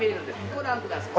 ご覧ください。